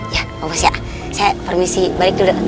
ya pak bos ya saya permisi balik dulu